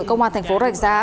công an tp hcm